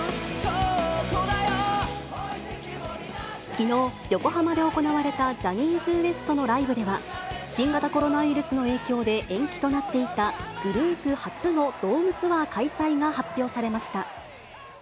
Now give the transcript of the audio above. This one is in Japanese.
きのう、横浜で行われたジャニーズＷＥＳＴのライブでは、新型コロナウイルスの影響で延期となっていた、グループ初のドームツアー開催が発表されました。